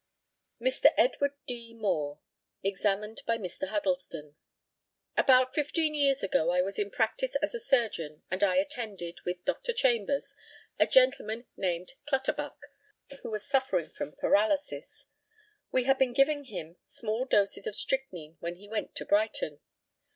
Mr. EDWARD D. MOORE, examined by Mr. HUDDLESTON: About fifteen years ago I was in practice as a surgeon, and I attended, with Dr. Chambers, a gentleman named Clutterbuck, who was suffering from paralysis. We had been giving him small doses of strychnine when he went to Brighton.